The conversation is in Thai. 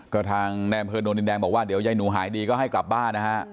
ก็ทางในอำเภอโนนดินแดงบอกว่าเดี๋ยวยายหนูหายดีก็ให้กลับบ้านนะฮะ